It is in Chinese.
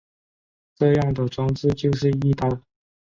这样的装置就是翼刀。